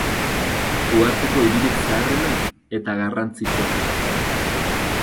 Uharteko hiririk zaharrena eta garrantzitsuena da.